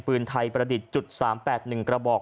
ปืนไทยประดิษฐ์๓๘๑กระบอก